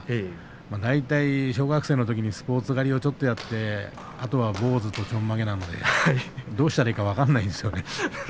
大体、小学生のときにスポーツ刈りをちょっとやってあとは坊主と、ちょんまげなのでどうしたらいいか分からないです。